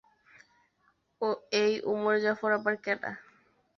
এই ওমর জাফর আবার কেডা?